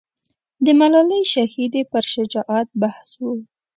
د ملالۍ شهیدې پر شجاعت بحث و.